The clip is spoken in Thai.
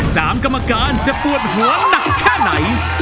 กรรมการจะปวดหัวหนักแค่ไหน